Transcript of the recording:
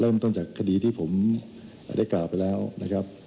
เริ่มต้นจากคดีที่ผมได้กล่าวไปแล้วนะครับ